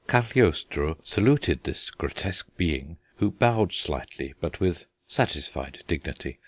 Cagliostro saluted this grotesque being, who bowed slightly, but with satisfied dignity.